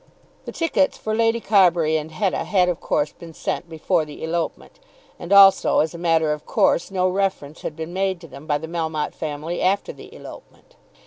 The tickets for Lady Carbury and Hetta had of course been sent before the elopement; and also, as a matter of course, no reference had been made to them by the Melmotte family after the elopement.